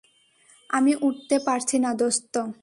আমি উঠতে পারছি না, দোস্ত!